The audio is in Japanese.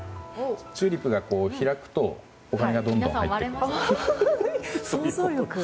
チューリップが開くとお金がどんどん入ってくる。